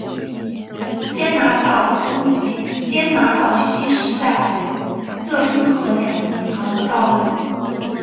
坚拿道东及坚拿道西是在这运河两旁的道路。